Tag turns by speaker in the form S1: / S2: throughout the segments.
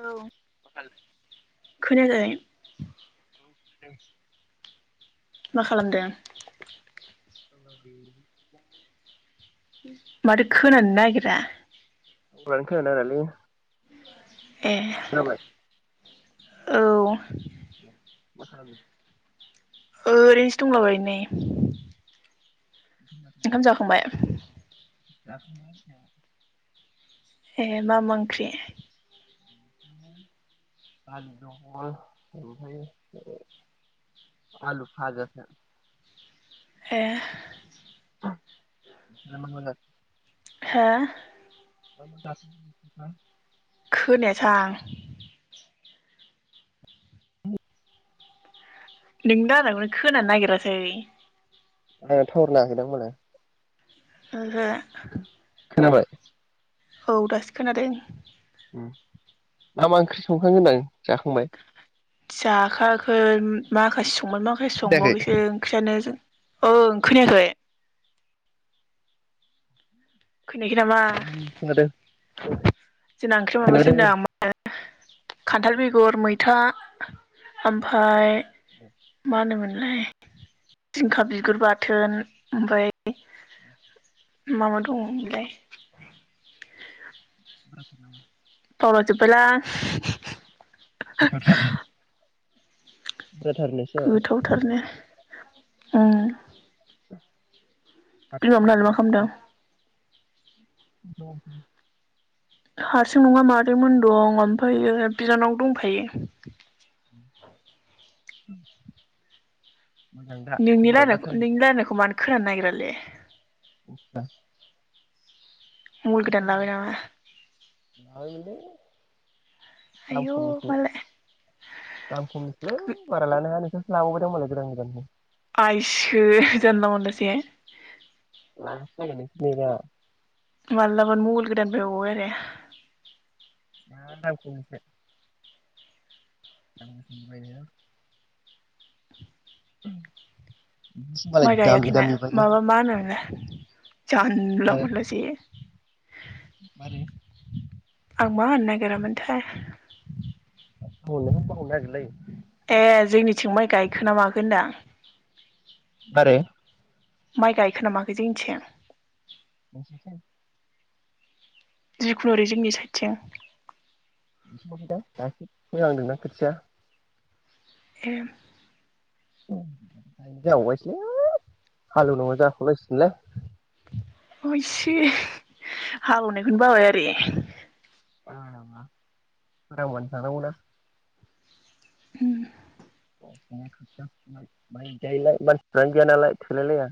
S1: औ खोनायाखै?
S2: [unintelligible]
S1: मा खालामदों?
S2: [unintelligible]
S1: माथो खोनानो नागिरा।
S2: [unintelligible]
S1: ए
S2: खोनाबाय
S1: औ
S2: [unintelligible] मा खालामदों?
S1: ओरैनोसो दंलाबायो नै। ओंखाम जाखांबाय?
S2: जाखांबाय [unintelligible]
S1: ए मा मा ओंख्रि?
S2: दालि जहल मफाय आलु फाजासो।
S1: ए
S2: [unintelligible]
S1: हो
S2: [unintelligible]
S1: खोनोयासां नोंनि दानायखौनो खोनानो नागिरासै
S2: ऐ थावार नाङाखैदां होनबालाय।
S1: ओहो [inaudible]
S2: खोनाबाय?
S1: औ दासो खोनादों।
S2: उम मा मा ओंख्रि संखो होनदों जाखांबाय?
S1: जाखाङाखै माखासे स माखासे
S2: खोनायाखै
S1: संबावाखैसो ओंख्रियानो जों ओं खोनायाखै खोनायाखै नामा?
S2: खोनादों
S1: जोंना ओंख्रि माबास
S2: खोनादों
S1: होनदो आं [unintelligible] खान्थाल बेगर मैथा ओमफाय मा होनोमोनलाय जिंखा बिगुर बाथोन ओमफाय मा मा दङमोनलाय
S2: [inaudible]
S1: फरथिपला [inaudible]
S2: जाथारनोसो
S1: गोथावथारनो ओ । खालामदों?
S2: [unintelligible] औ
S1: हारसिं नङा मादैमोन दं ओमफ्रायायो बिनानाव दंफायो
S2: [unintelligible] दा
S1: नोंनि
S2: खबरा
S1: रायनाय
S2: दासान्दि
S1: नोंनि रायनाय मानो खोनानो नागिरा ले?
S2: [unintelligible]
S1: मबाइल गोदान लाबाय नामा?
S2: लाबायमोनलै। दाम
S1: आयौ
S2: खमनिसो
S1: मालाय
S2: दाम खमनिसोलै बारा लानाङ नोंसो लाबावबाय मालाय गोदान गोदान
S1: आइसो जानला मोनलासोहाय ।
S2: लानोसो नागिरदों नै दा
S1: मालाबानो मबाइल गोदान बायबावबाय आरो
S2: [unintelligible] [unintelligible] [inaudible]
S1: माइ
S2: दामि
S1: गायाखैना
S2: दामि बायना
S1: माबा मा होनो जानला
S2: मारै
S1: मोनलाजे
S2: मारै
S1: आं मा होननो नागिरामोनथाय!
S2: बुंनो नागिरनायखौनो बावगारलायो?
S1: ए जोंनिथिं माइ गायखोना माखो होनदां?
S2: मारै
S1: माइ गायखोनामाखै जोंनिथिं?
S2: [unintelligible]
S1: जिखुनुओरै जोंनि साइडथिं?
S2: [unintelligible] फोहांदोंना खोथिया!
S1: ए
S2: गायनो जावबायसैलै हालेवनांगौ जाखलायसिगोनलाय ।
S1: एइसे हाल एवनायखोनो बाबाय आरो बे
S2: बायाबा सोरांबानो थांनांगौना।
S1: होम
S2: [unintelligible] मानसियानो गैया नालाय थैलायलाया।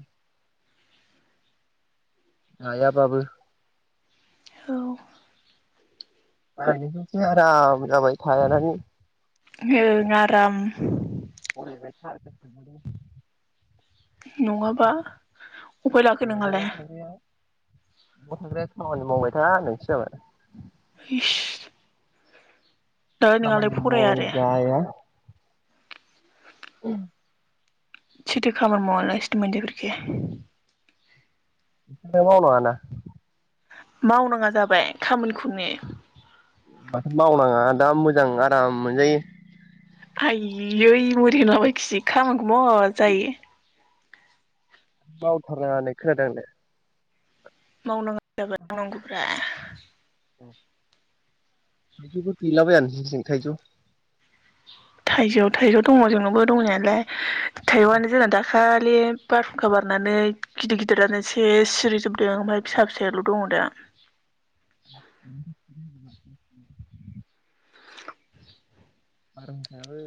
S2: आया बाबो
S1: औ
S2: [unintelligible] आराम जाबाय [unintelligible]
S1: ओं आराम
S2: [unintelligible]
S1: नङाबा उफाय लाखो नोंहालाय?
S2: बा थांग्राया खामानि मावबाय था नोंसो जाबाय
S1: इस दालाय नोंहालाय
S2: खामानि
S1: फराया
S2: मावाबानो
S1: आरो
S2: जाया। औ।
S1: सोरथो खामानि मावालासिनो मोनजाफेरखो।
S2: नों मावनांआना।
S1: मावनाङा जाबाय खामानिखौनो।
S2: माथो मावनाङा दा मोजां आराम मोनजायो।
S1: आयै मुरि होनलाबायायखि खामानिखौ माव जायो।
S2: मावथारनानानै खोनादोंलाय।
S1: मावनाङा जाबा मावांनांगौब्रा।
S2: औ। थायजौफोर गैलाबाया नोंसिनिथिं थायजौ?
S1: थाइजौ थाइजौ दङ जोंनावबो दंनाया।
S2: [inaudible] बारहुंखायाबो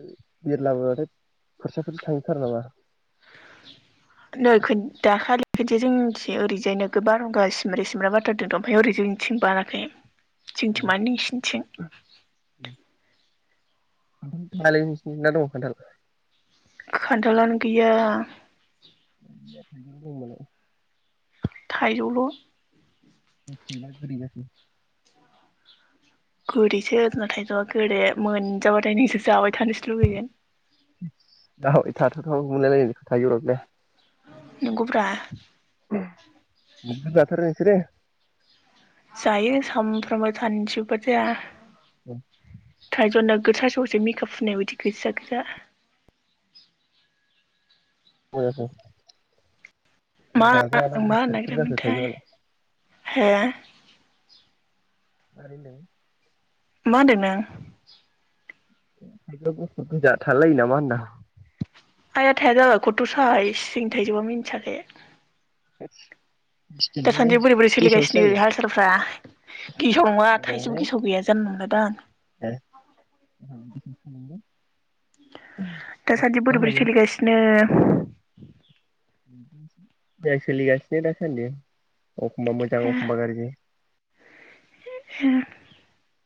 S2: बिरलाबोबाथाय फोसाफोरसो थांजोबथारो नामा?
S1: नै दाखालि खिथिया जोंं ओरैजायनो बारहुंखा सिमब्र सिमबा बारथारदों ओमफ्रायाय ओरै जों थिं बाराखै। जोंथिं माने इसिनिथिं।
S2: [unintelligible] दं खान्थाल?
S1: खानथालानो गैया।
S2: [unintelligible]
S1: थाइजौल।
S2: [unintelligible]
S1: गोदैसो जोंना थाइजौआ गोदे मोनजाबाथाय नोंसो जाबाय थानोसो लुुबैगोन
S2: जाबाय थाथावथाव मोनलायलायथारो बेलाय
S1: नोंगौ ब्रा।
S2: नोगोद जाथारो नोंसोरो?
S1: जायो सानफ्रोमबो सानसेबो थाया। थाइजौ नो। गोसा ससो मेकआप होनाय बायदि गोजा गोजा।
S2: [unintelligible]
S1: मा
S2: गोजा जाना
S1: आं मा
S2: गुफुरफोर जाखो
S1: होनागिरामोनथाय।
S2: थाइजौआलाय
S1: हो
S2: मारैदों?
S1: मा होनदों नोंं?
S2: थाइजौआ गुफुर गोजा थालायो नामा होनदां।
S1: [unintelligible] आइया थाया जाबाय खथ साहाय जोंनि थाइजौया मिन्थियाबे।
S2: [inaudible]
S1: दासान्दि बोरै बोरै
S2: गेसावसो
S1: सोलिगासिनो
S2: जायो
S1: हाल सालफ्रा गिसाव नङा थाइसेबो गेसाव गैया जानबा [inaudible]
S2: [inaudible] मा
S1: दासान्दि बोरै बोरै
S2: होनोमोन
S1: सोलिगासिनो?
S2: मोजां लिगासिनो दासान्दि। अखमबा मोजां अखमबा गारजि
S1: [unintelligible]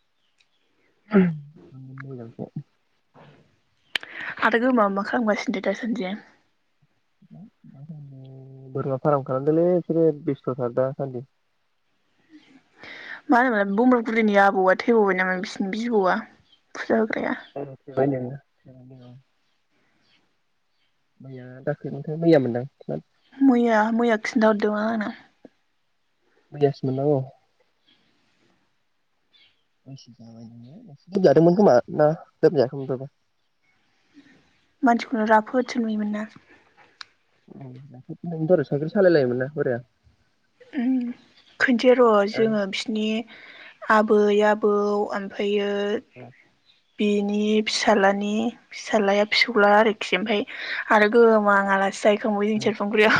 S2: [unintelligible]
S1: [inaudible]
S2: [unintelligible]
S1: [unintelligible] मा खालामगासिनो दासानदिया
S2: बोरमा फार्म खालामदोलै बिसोरो बेस्थथार दासान्दि।
S1: मा होनो [unintelligible] बुरैनि आबौआ थैबावबाय नामा बिसिनि बिबौआ? होग्राया
S2: [unintelligible] [inaudible] मैया दाख्लैमोनथाय मैया मोनदां
S1: मैया मैया खिन्था हरदोमोन आंनो।
S2: गेस मोननांगौ। लोमजादोंमोन खोमा ना लोबजायाखैमोन बेबा
S1: मानसिखौनो राफोदथसो नुयोमोन ना?
S2: औ [unintelligible] साइकेल सालायलायोमोन ना बोराया।
S1: उम खोनसे र' जोङो
S2: बोराया
S1: बिसिनि आबै आबौ ओमफायो ओ बिनि फिसालानि फिसालाया फिसौला आरोखि ओमफफ्राय आरो गोहोम आं आलासि जायो [unintelligible]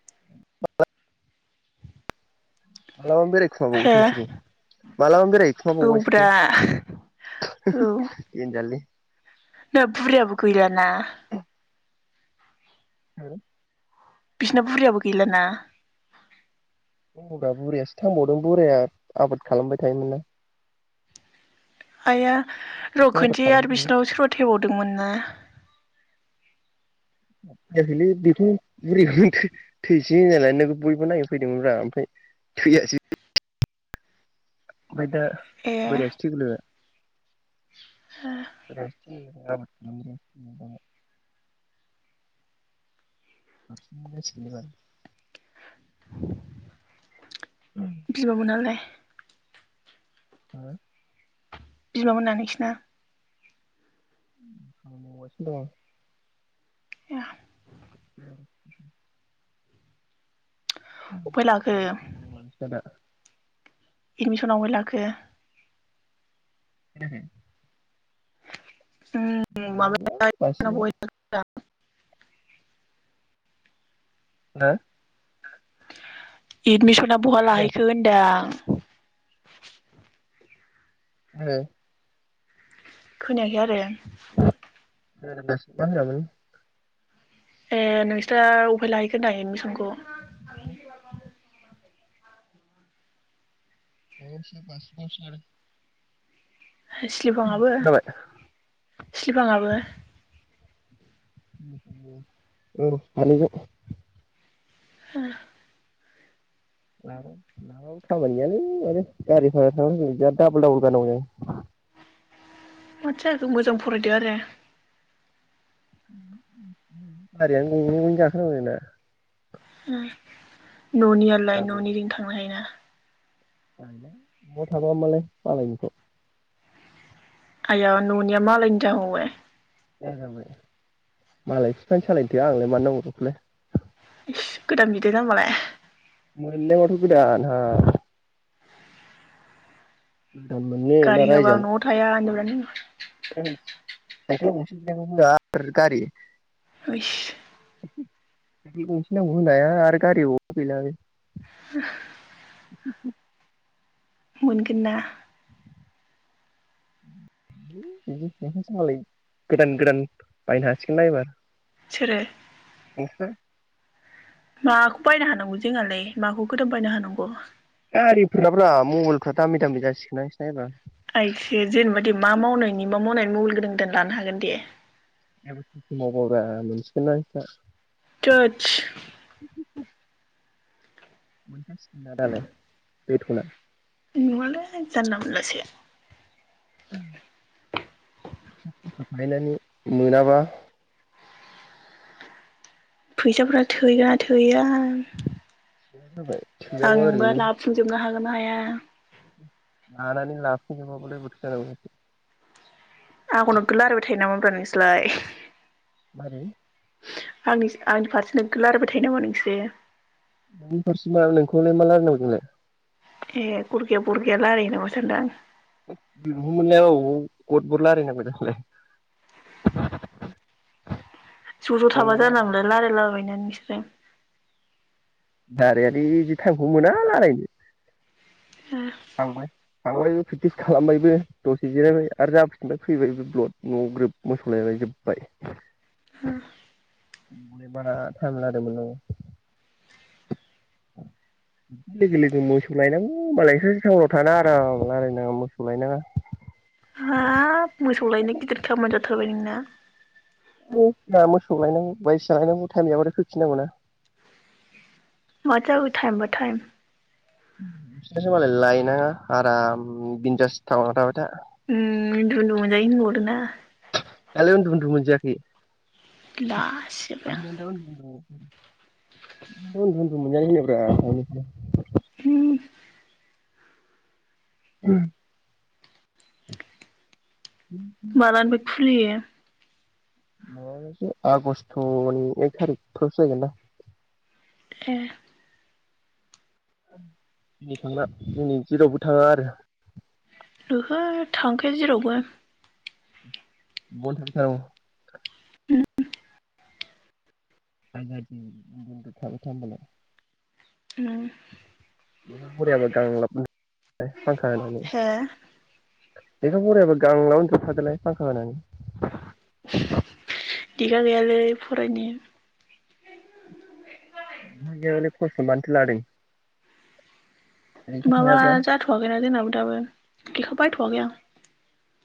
S2: [unintelligible] मालाबा बेरायखुमाबावोसो नोंसोरो
S1: हो
S2: मालाबानो बेरायहैखुमा बावबायसो
S1: औब्रा औ
S2: [unintelligible] देनजारलै।
S1: दा बुरैयाबो गैलाना?
S2: [inaudible]
S1: बिसोरना बुरैयाबो गैलाना?
S2: दङब्रा बुरियासो थांबावदों बोराया आबाद खालामबाय थायोमोन ना।
S1: आया र'
S2: एसे आबाद
S1: खोनसे आरो
S2: खालामनो
S1: बिसनाव सोरबा थैबाव दोंमोन ना?
S2: थैयाखैलै बेखौ बुरैखौनो थो-थैसै होनलायनानै बयबो नायनो फैदोंमोनब्रा ओमफ्राय थैयासै। ओमफाय दा
S1: ए
S2: बोरयासो थैगुलायबाइ। [inaudible] [inaudible] [inaudible]
S1: बिमा मोनालाय?
S2: हो
S1: बिमा मोना नोंसिना।
S2: हाबा मावगासिनो दङ।
S1: ए।
S2: [inaudible]
S1: उफाय लाखो।
S2: खोनायाखै
S1: एडमिसन आबहाय लाखो।
S2: [unintelligible] माबालै बासिबाव हो
S1: [unintelligible]
S2: हो।
S1: एडमिसन। ना बहा
S2: दे
S1: लाहैखो होनदां। [unintelligible]
S2: ए।
S1: खोनायाखै आरो।
S2: खोनादों‌मा होनदों [inaudible]
S1: ए नोंस्रा अबहाय लाहैगोन ना एदमिसनखौ।
S2: [inaudible]
S1: स्लिफाङाबो
S2: सानैजों
S1: स्लिफाङाबो।
S2: औ सानैबो।
S1: ओ।
S2: खामानि गैयानो माने गारि भारा थांलाय फैलाय बेयाव डाबल डाबल गारनांगौ जायो।
S1: माथो जाखो मोजां फरायदो आरो।
S2: गारियानो गंनै गंनै गाखो नांगौ जोंना।
S1: ओम। ननियालाय ननिजों थांनो हायोना।
S2: नवाव थाबामालाय मालायनिखौ।
S1: आया ननिया मालनायनि जाबावबाय।
S2: मालाय बिफानि सालायथों आंलाय मानो नांगौ बेखौलाय।
S1: गोदान बिदो जामबालाय।
S2: [unintelligible] गोदान मोननो ना
S1: गारि होआबा
S2: रायजानो।
S1: न'आव [unintelligible]
S2: [unintelligible] चाइकेल गंसेखौनो होआ आरो गारि।
S1: इस।
S2: साइकेल गंसे दामखौनो होननाया आरो गारियाव गैलालै।
S1: [unintelligible] मोनगोन ना।
S2: [unintelligible] सालायो गोदान गोदान बायनो हासिगोनना एबार।
S1: सोरो।
S2: नोंसोर।
S1: माखौ बायनो हानांगौ जोंहालाय माखौ गोदान बायनो हानांगौ।
S2: गारिफोराब्रा मबाइलफ्रा दामि दामि जासिगोन ना नोंसिना एबार
S1: आइसो जेनेबा दे मा मावनायनि मा मावनायनि मबाइल गोदान गोदान लानो हागोन दे
S2: [unintelligible] मावबाब्रा मोनसिगोनना
S1: थोथस
S2: मोनथास नोंआ दालाय बेेटना।
S1: नङालैय जानला मोनलासो।
S2: [inaudible] ओमफाय नों मोनाबा।
S1: फैसाफोरा थोहैया थोहैया
S2: थोआ जाबाय दोआबा ओरैनो ।
S1: गोना हाया
S2: लानानै लाफुंजोबा बोरैथो जानांगौ जाखो ।
S1: आंखौ नोगोद रायलायबाय थायो नामाब्रा नोंसोरलाय।
S2: मा बे
S1: आंनि आंनि फारसे नोगोद रायलायबाय थायो नामा नोंसोरो।
S2: नोंनि फारसे मा नोंखौलाय मा रायलाय नांगौ जोंलाय।
S1: ए गद गैया बद गैया रायलायो नामा सानदों आं।
S2: लोगोखौनो मोनलायाबा अबाव गद बद रायलायनांगौ जोंलाय।
S1: ज ज थाबा जानला मोनला रायलाबायोना नोंसो सोरो
S2: रायलायालैय बिदि टाइमखौनो मोना राइलायनो। थांबाय। थांबायबो प्रेक्टिस खालामबायबो दसे जिरायबाय आरो जाफिनबाय फैबायबो ब्लद न ग्रोब मोसौलायबाय जोबबाय।
S1: हाब
S2: बारा टाइम लादोंमोन लोगो लोगो मोसौ लायनांगौ मालाय नोंस्रासो टाउनाव थाना आराम रायलायनाङा मोसौ लायनाङा।
S1: होबाय नोंना
S2: मोसौ लायनांगौ बायदिसिना लायनांगौ टाइम जाबाथाय फैफिननांगौना।
S1: माथो जाखो टाइम बाय टाइम।
S2: नोंस्रासो मालाय लायनाङा आराम बिनदास टाऊनाव थाबाय था
S1: उम उन्दुना मोनजायो होनबावदोंना।
S2: दालाय उन्दु उन्दु मोनजाखैय।
S1: बा।
S2: [inaudible] [inaudible] उन्दु उन्दु मोनजायो होनदोब्रा मोननायखौलाय
S1: हम
S2: ओम
S1: मालानिफ्राय खुलियो।
S2: माबायावसो आगस्टनि एक थारिखफ्रावसो जाहैगोन दां
S1: एह
S2: दिनै थांला दिनै जेरावबो थाङा आरो।
S1: ओहो थांखाया जेरावबो।
S2: [unintelligible]
S1: उम
S2: आजादि उन्दु उन्दु थाबाय था होनबालाय।
S1: उम
S2: बुरैयाबो गांलाब [unintelligible] फांखा होनानै
S1: हो
S2: लेखा फरायाबा गांलाब उन्दोना थादोलाय फांखा होनानै।
S1: दिखा गैयालै फरायनो
S2: [unintelligible] हले खस्थ मानोथो लादों। ओरैनोसो
S1: माबा
S2: थाङाबा
S1: जाथवाखैना जोंनाबो दाबो बेखौ बायथ [unintelligible] आं